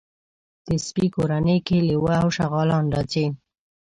د سپي کورنۍ کې لېوه او شغالان راځي.